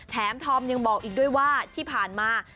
ธอมยังบอกอีกด้วยว่าที่ผ่านมา